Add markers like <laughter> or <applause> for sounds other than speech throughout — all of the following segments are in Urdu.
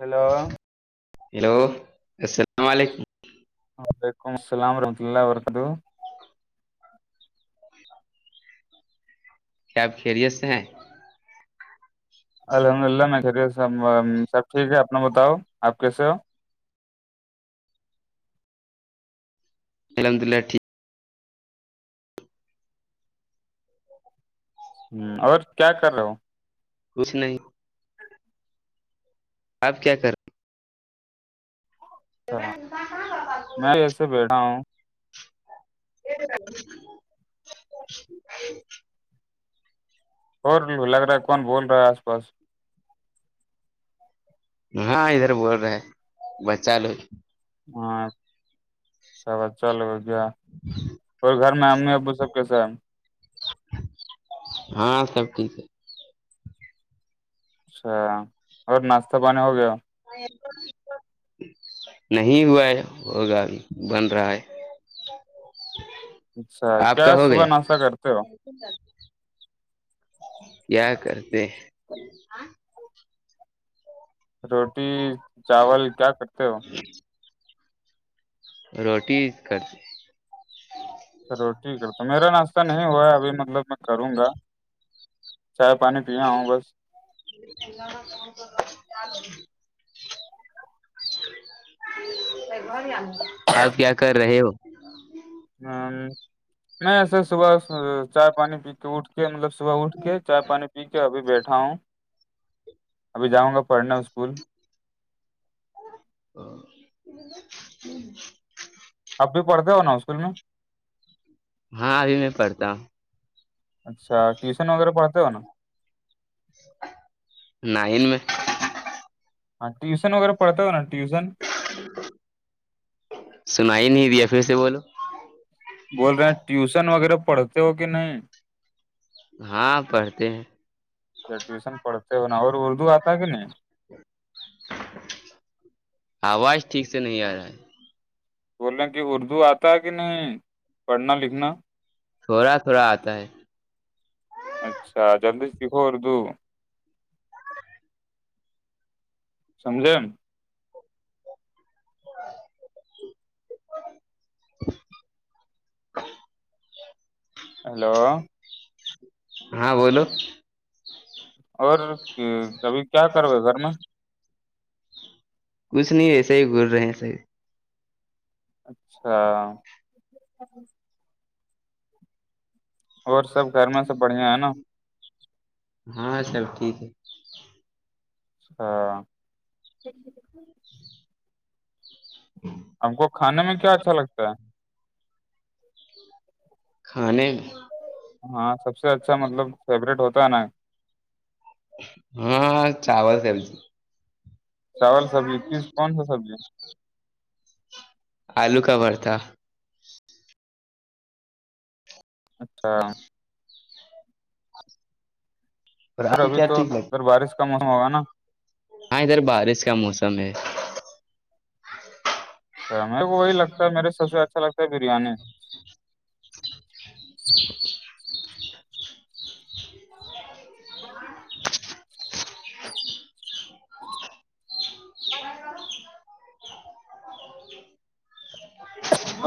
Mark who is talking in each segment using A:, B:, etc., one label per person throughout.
A: ہیلو
B: ہیلو السلام علیکم
A: وعلیکم السلام ورحمۃہ اللہ و برکاتہ ہو
B: کیا آپ خیریت سے ہیں
A: الحمد للہ میں خیریت سے ہوں سب ٹھیک ہے اپنا بتاؤ آپ کیسے ہو
B: الحمد للہ ٹیک
A: ھم اور کیا کر رہے ہو
B: کچھ نہیں آپ کیا کر
A: اچھا، میں ایسے بیٹھا ہوں
B: <unintelligible> <inaudible>
A: اور بھی لگ رہا ہے کون بول رہا ہے آس پاس
B: ہاں ادھر بول رہے ہے بچہ لوگ
A: ہاں اچھا بچہ لو گا اور گھر میں امی ابو سب کیسے ہے
B: ہاں سب ٹھیک ہے
A: اچھا اور ناشتہ پانی ہو گیا
B: <inaudible> نہیں ہوا ہے ہوگا بھی بن رہا ہے
A: اچھا
B: آپ
A: کیا
B: کا ہو
A: صبح
B: گیا
A: ناشتا کرتے ہوو
B: کیا کرتے ہاں
A: روٹی چاول کیا کرتے ہو
B: روٹی کرتے
A: چلو ٹھیک ہے تو میرا ناشہ نہیں ہوا ہے ابھی مطلب میں کروں گا چائے پانی پا ہوں بس
B: <inaudible> آپ کیا کر رہے ہو
A: ھم میں ایسے صبح چائے پانی پی کے اٹھ کے مطلب صہ صبح اٹھ کے چائے پانی پی کے ابھی بیٹھا ہوں ابھی جاؤں گا پڑھنا اسکول
B: <inaudible>
A: اپ بھی پڑھتے ہو نا اسکول میں
B: ہاں ابھی میں پڑھتا ہوں
A: اچھا ٹیوشن وغیرہ پڑھتے ہو نا
B: نائن میں
A: ہاں ٹیوشن وغیرہ پڑتا ہو نا ٹیوشن
B: سنا ہی نہیں دیا پھر سے بولو
A: بول رہے ہیں ٹیوشن وغیرہ پڑھتے ہو کہ نہیں
B: ہاں پڑھ
A: جب ٹیوشن پڑھتے ہو ن اور اردو آتا ہے کہ نہیں
B: آواز ٹھیک سے نہیں آ یا ہے
A: بول رہے ہیں کہ اردو آتا ہے کہ نہیں پڑھنا لکھنا
B: تھوڑا تھوڑا آتا ہے
A: اچھا جلدی سیکھواردو سمجھے
B: <inaudible>
A: ہیلو
B: ہاں بولو
A: اور کبھی کیا کروے گھر میں
B: کچھ نہیں اسے ہی غور رہے ہیں ایسے ہی
A: اچھا اور سب گھر میں سب بڑھیا ہے نا
B: ہاں سب ٹھیک ہے
A: اچھا
B: <inaudible> <inaudible>
A: ہم کو کھانے میں کیا اچھا لگتا ہے
B: کھانے میں
A: ہاں سب سے اچھا مطلب فیوریٹ ہوتا ہے نا
B: ہاں چاول سبجی
A: چاول سبزی کس کون سا سبزی
B: آلو کا بر تھا
A: اچھا اور
B: آپ کو
A: ابھی
B: کیا
A: تو
B: ٹھیک
A: اگر
B: لگتا
A: بارش کا موسم ہوگا نا
B: ہاں ادھر بارش کا موسم ہے
A: اچھا میں وہی لگتا ہے میرے سب اچھا لگتا ہے بریانی
B: <inaudible>
A: ہاں <inaudible> <inaudible>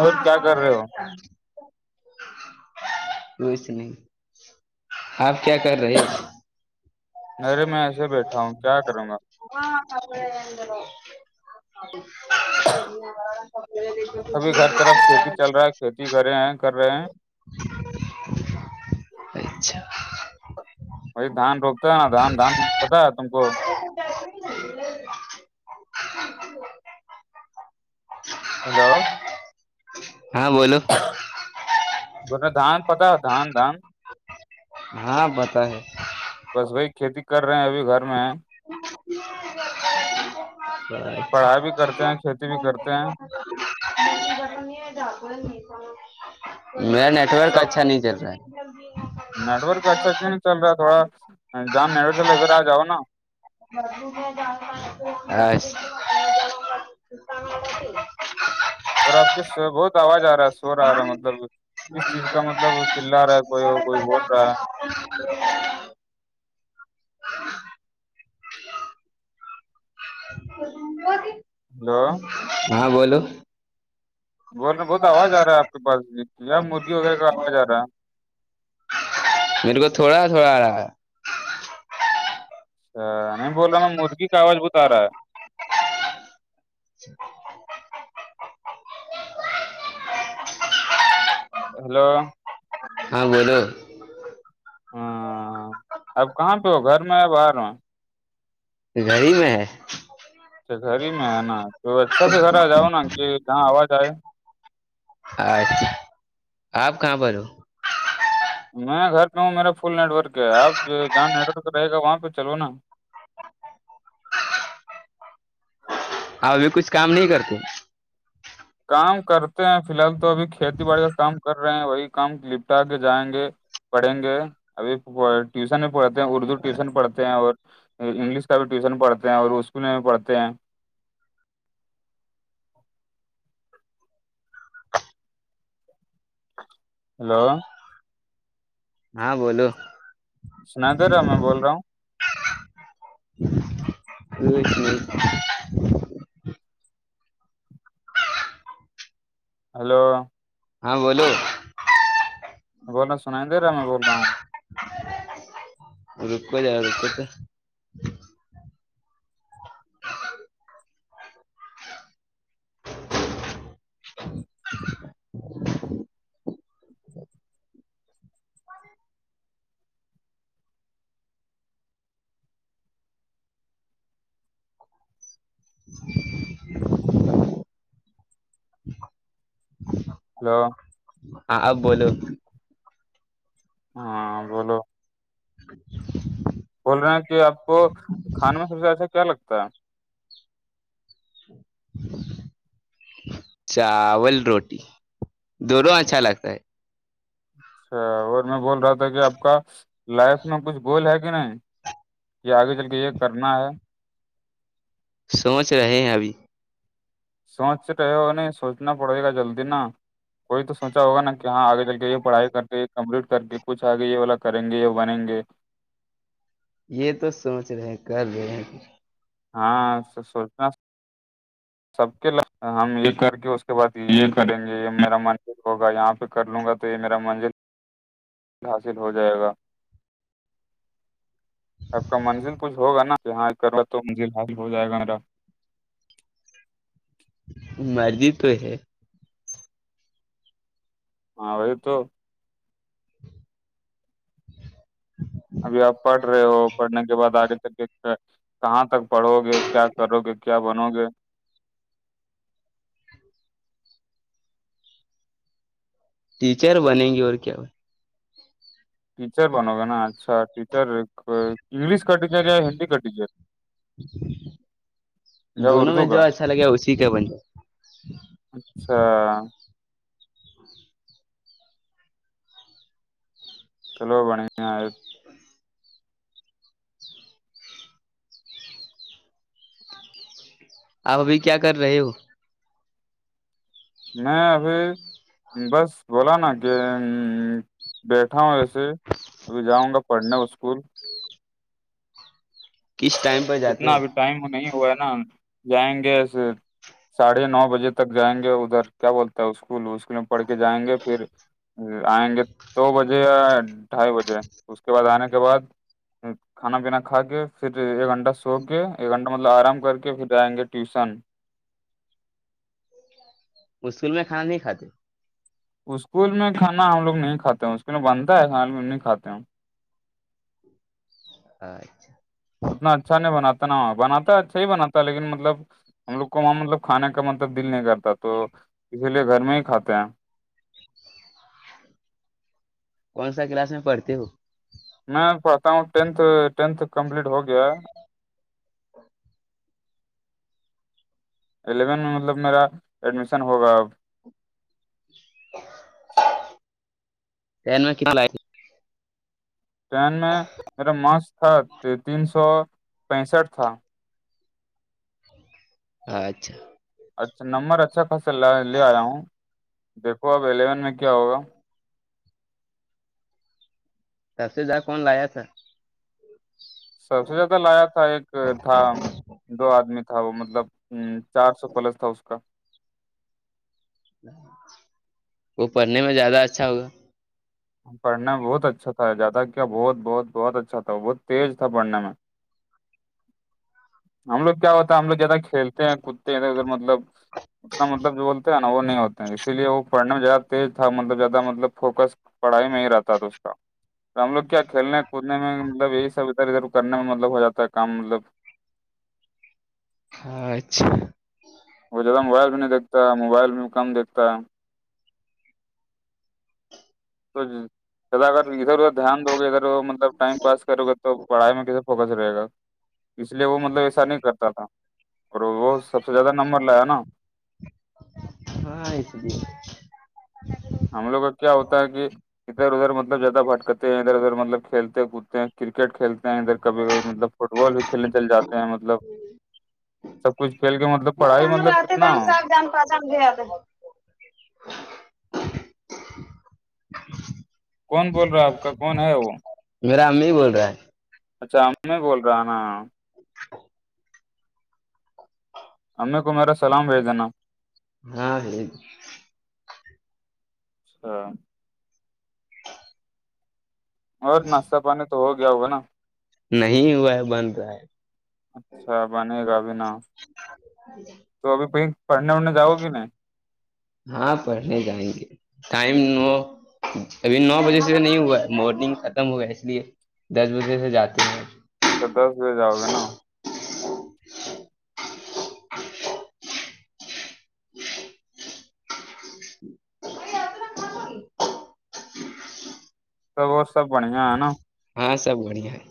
A: اور کیا کر رہے ہو
B: <unintelligible> آپ کیا کر رہے ہو
A: نہیںرے میں ایسے بیٹھا ہوں کیا کروں گا
B: <unintelligible>
A: ابھی گر طرف کھیتی چل رہا ہے کھیتی کرے ہیں کر رہے ہیں
B: اچھا
A: وہائی دھان روکتا ہے نا دھان دھان پتا ہے تم کو
B: <inaudible>
A: ہیلو
B: ہاں بولو
A: بیٹادھان پتاہے دھان دھان
B: ہاں پتا ہے
A: بس وہی کھیتی کر رہے ہیں ابھی گھر میں ہے
B: <inaudible>
A: پڑھائی بھی کرتے ہیں کھیتی بھی کرتے ہیں
B: میرا نیٹورک اچھا نہیں چل رہا ہے جلدی <inaudible>
A: نیٹ ورک اچھا کیوں نہیں چل رہا تھوڑا جام نیٹ ورک چل ادھر آ جاؤ نا
B: <inaudible> ایس <inaudible>
A: اور آپ کی بہت آواز آ رہا ہے شوور آ رہا ہے مطلب کس چیز کا مطلب چلا رہا ہے کوئی اور کوئی بول رہا ہے
B: <inaudible>
A: ہیلو
B: ہاں بولو
A: بول رہے بہت آواز آ رہا ہے آپ کے پاس یے مرغی وغیرہ کا آواز آ رہا ہے
B: میرے کو تھوڑا تھوڑا آ رہا ہے
A: اچھ نہیں بول رہے میں مرغی کا آواز بہت آ رہا ہے ہیلو
B: ہاں بولو
A: ہاں اب کہاں پے ہو گھر میں یا باہر ہو
B: گڑی میں ہے
A: اچھا گھر ہی میں ہے نا تو اچھا سے گھر آ جاؤ نا کہ جہاں آواز آئے
B: اچھ آپ کہاں پر ہو
A: میں گھر پہ ہوں میرا فل نیٹ ورک ہے آپ جہاں نیٹ ورک رہے گا وہاں پہ چلو نا
B: اپ ابھی کچھ کام نہیں کرتے
A: کام کرتے ہیں فی الحال تو ابھی کھیتی باڑی کا کام کر رہے ہیں وہی کام نپٹا کے جائیں گے پڑھیں گے ابھی ٹیوشن بھی پڑھتے ہیں اردو ٹیوشن پڑھتے ہیں اور انگلش کا بھی ٹیوشن پڑھتے ہیں اورر اسکول میں بھی پڑھتے ہیں ہلو
B: ہاں بولو
A: سنادیےرہا م میں بول رہا ہوں
B: بالکل <unintelligible>
A: ہلو
B: ہاں بولو
A: بول رہے سنایی نہیں دے رہا میں بول رہا ہوں
B: روکو زرا روکو تو
A: ہیلو
B: ہاں اب بولو
A: ہاں بولو بول رہے ہیں کہ آپ کو کھانے میں سب سے اچھا کیا لگتا ہے
B: چاول روٹی دونوں اچھا لگتا ہے
A: اچھا اور میں بول رہا تھا کہ آپ کا لائف میں کچھ گول ہے کہ نہیں یہ آگے چل کے یہ کرنا ہے
B: سوچ رہے ہیں ابھی
A: سوچ رہے ہو نہیں سوچنا پڑے گا جلدی نا کوئی تو سوچا ہوگا نا کہ یہاں آگے چل کے یہ پڑھائی کر کے کمپلیٹ کر کے کچھ آگے یہ والا کریں گے بنیے گے
B: یہ تو سوچ رہے ہیں کر رہے ہیں
A: ہاں سوچنا سب کے <unintelligible> ہم یہ کر گے اس کے بعد یہ کریں گے میرا منزل ہوگا یہاں پہ کر لوں گا تو یہ میرا منزل حاصل ہو جائے گا آب کا منزل کچھ ہوگا نا یہاں کرو تو منزل حصل ہو جائے گا میرا
B: مرضی تو ہے
A: ہاں وہی تو ابھی آپ پڑھ رہے ہو پڑھنے کے بعد آگے چک کےکیا کہاں تک پڑھوں گے کیا کرو گے کیا بنو گے
B: ٹیچر بنیں گے اور کیا بن
A: ٹیچر بنو گا نا اچھا ٹیچر انگلش کا ٹیچر یا ہندی کا ٹیچر
B: ہ
A: یا
B: دونوں میں
A: اردو کا
B: جو اچھا لگے اسی کا بن جا
A: اچھا چلو بنےیا
B: آپ ابھی کیا کر رہے ہو
A: میں ابھی بس بولا نا کہ بیٹھا ہوں وسے ابھی جاؤں گا پڑھنے وہ اسکول
B: کس ٹائم پر جاتے
A: کتنا
B: ہو
A: بھی ٹائم نہیں ہوا ہے نا جائیں گے ساڑھے نو بجے تک جائیں گے ادھر کیا بولتا ہے اسکول اسکول میں پڑھ کے جائیں گے پھر آئیں گے دو بجے ڈھائی بجے اس کے بعد آنے کے بعد کھانا پینا کھا کے پھر ایک گھنٹہ سو کے ایک گھنٹہ مطلب آرام کر کے پھر جائیں گے ٹیوشن
B: سکول میں کھانا نہیں کھاتے
A: اسکول میں کانا ہم لوگ نہیں کھاتے اسکول میں بنتا ہے نہیں کھاتے ہیں ہم
B: اچھا
A: اتنا اچھا نہیں بناتا ناں بناتا ہے اچھا ہی بناتا ہے لیکن مطلب ہم لوگ کو وہاں مطلب کھانے کا مطلب دل نہیں کرتا تو اسی لیے گھر میں ہی کھاتے ہیں
B: کون سا کلاس میں پڑتی ہووں
A: میں پڑھتا ہوں ٹینھ ٹینتھ کمپلیٹ ہو گیا الیون میں مطلب میرا ایڈمیشن ہوگا اب
B: ین میں کتنا لیے تھے
A: ٹین میں میرا مسک تھا تین سو پینسٹھ تھا
B: اچھا
A: اچھا نمبر اچھا خاصا لے آیا ہوں دیکھو اب الیون میں کیا ہوگا
B: تب سے زیا کون لایا تھا
A: سب سے زیادہ لایا تھا ایک تھا دو آدمی تھا وہ مطلب ام چار سو پلس تھا اس کا
B: وہ پڑھنے میں زیادہ اچھا ہوگا
A: پڑھنے میں بہت اچھا تھا جیادہ کیا بہت بہت بہت اچھا تھا بہت تیز تھا پڑھنے میں ہم لوگ کیا ہوتا ہے ہم لوگ زیادہ کھیلتے ہیں کودتے ہیں ادھر مطلب اتنا مطلب جو بولتے ہیں نا وہ نہیں ہوتے ہیں اسیے وہ پڑھنے میں زیادہ تیز تھا مطلب زیادہ مطلب فوکس پڑھائی میں ہی رہتا تھا اس کا ہم لوگ کیا کھیلنے کودنے میں مطلب یہی سب ادھر ادھر کرنے میں مطلب ہو جاتا ہے کام مطلب
B: اچھا
A: وہ زیادہ موبائل بھی نہیں دیکتا موبائل بھی کم دیکھتا ہے تو جدا کر ادھر ادھر دھیان دو گے ادھر مطلب ٹائم پاس کرو گے تو پڑھائی میں کیسے فوکس رہے گا اس لیے وہ مطلب ایسا نہیں کرتا تھا اور وہ سب سے زیادہ نمبر لایا نا
B: ہاں ایسے بھی
A: ہم لوگ کا کیا ہوتا ہے کہ ادھر ادھر مطلب زیادہ بات کرتے ہیں ادھر ادھر مطلب کھیلتے کودتے ہیں کرکٹ کھیلتے ہیں ادھر کبھی کبھی مطلب فٹ بال بھی کھیلنے چلے جاتے ہیں مطلب سب کچھ کھیل کے مطب مطلب پڑھائی مطلب کتنا
B: کا جان گے دے
A: کون بول رہا آپ کا کون ہے وہ
B: میرا امی بول رہا ہے
A: اچھا امی بول رہا ہے نا امی کو میرا سلام بیج دینا
B: ہاں جی
A: اچھا اور ناشتہ پانی تو ہو گیا ہوگا نا
B: نہیں ہوا ہے بن رہا ہے
A: اچھا بنے گابی نا تو ابھی کہیں پڑھنے وڑھنے جاؤ گی نہیں
B: ہاں پڑھنے جائیں گے ٹائم نو ابھی نو بجے سے نہیں ہوا ہے مارننگ ختم ہو گیا ہے اس لیے دس بجے سے جاوگےنا ہیں
A: اچھ دس بجے جاؤ گا نا تو وہ سب بڑیا ہے نا
B: ہاں سب بڑھیا ہے